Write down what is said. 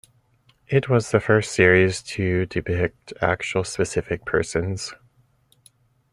It was the first series to depict actual specific persons.